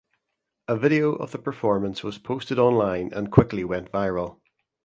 A video of the performance was posted online and quickly went viral.